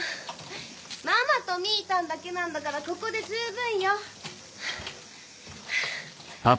ママとみぃたんだけなんだからここで十分よ。